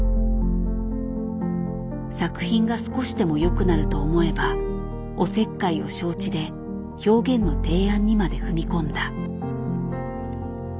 作品が少しでもよくなると思えばおせっかいを承知で表現の提案にまで踏み込んだ。